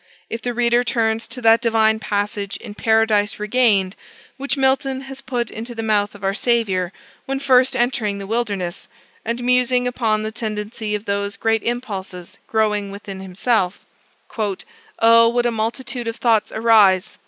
If the reader turns to that divine passage in Paradise Regained, which Milton has put into the mouth of our Saviour when first entering the wilderness, and musing upon the tendency of those great impulses growing within himself "Oh, what a multitude of thoughts arise!"